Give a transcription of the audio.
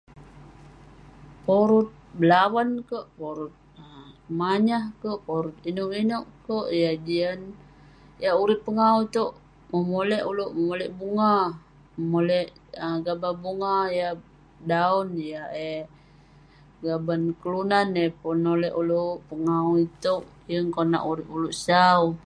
Porut belavan kerk, porut um manyah kerk, porut inouk inouk kerk..Yah jian..yah urip pengawu itouk, memolek ulouk, memolek bunga, molek gaban bunga yah daon, yah eh gaban kelunan yah penolek ulouk pengawu itouk, yeng konak urip ulouk sau.